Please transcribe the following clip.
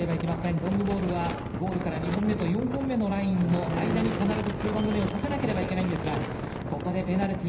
ロングボールはゴールから２本目と４本目のラインの間に必ずツーバウンド目をさせないといけないんですがここでペナルティー。